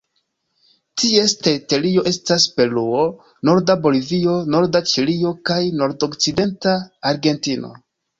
Ties teritorio estas Peruo, norda Bolivio, norda Ĉilio kaj nordokcidenta Argentino.